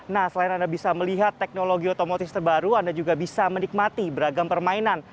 nah selain anda bisa melihat teknologi otomotif terbaru anda juga bisa menikmati beragam permainan